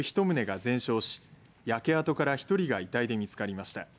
１棟が全焼し焼け跡から１人が遺体で見つかりました。